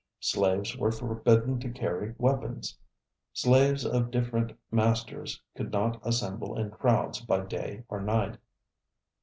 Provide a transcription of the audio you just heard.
Slaves were forbidden to carry weapons. Slaves of different masters could not assemble in crowds by day or night.